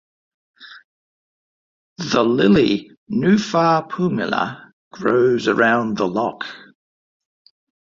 The lilly Nuphar pumila grows around the loch.